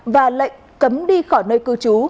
và lệnh cấm đi khỏi nơi cư trú